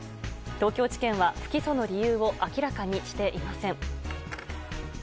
東京地検は不起訴の理由を明らかにしていません。